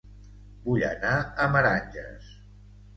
Vull anar a Meranges